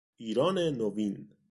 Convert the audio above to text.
ایران نوین